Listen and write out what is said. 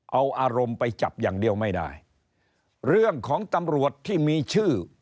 เอาอารมณ์ไปจับอย่างเดียวไม่ได้เรื่องของตำรวจที่มีชื่อ